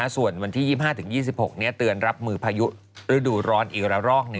ส่วนวันที่๒๕๒๖เตือนรับมือพายุฤดูร้อนอีกละรอก